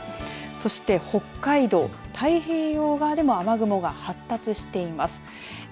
そして北海道、太平洋側でも雨雲が発達しています。